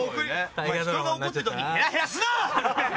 お前人が怒ってる時にヘラヘラすな！